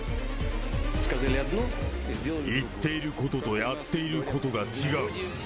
言っていることとやっていることが違う！